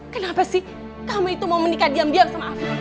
kenapa sih kamu itu mau menikah diam diam sama aku